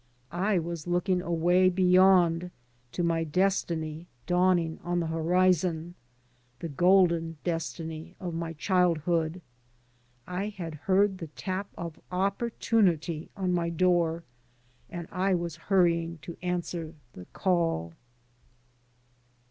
I was looking away beyond to my destiny dawning on the horizon— the golden destiny of my childhood. I had heard the tap of Opportunity on my door, and I was hurrying to answer the call.